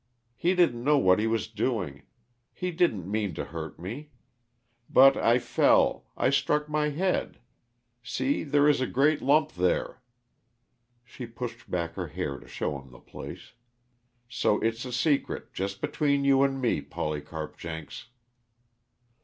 He didn't know what he was doing he didn't mean to hurt me. But I fell I struck my head; see, there is a great lump there." She pushed back her hair to show him the place. "So it's a secret just between you and me, Polycarp Jenks!"